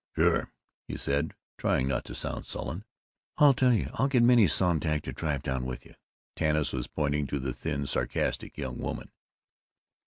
"Sure," he said, trying not to sound sullen. "I'll tell you: I'll get Minnie Sonntag to drive down with you." Tanis was pointing to the thin, sarcastic young woman.